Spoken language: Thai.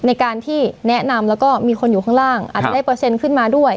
ในการที่แนะนำแล้วก็มีคนอยู่ข้างล่างอาจจะได้เปอร์เซ็นต์ขึ้นมาด้วย